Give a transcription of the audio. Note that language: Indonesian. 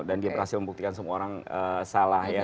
dan dia berhasil membuktikan semua orang salah ya